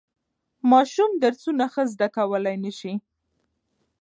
ماشوم درسونه ښه زده کولای نشي.